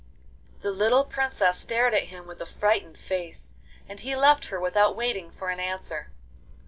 The little Princess stared at him with a frightened face, and he left her without waiting for an answer.